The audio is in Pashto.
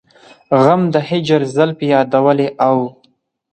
غم د هجر زلفې يادولې او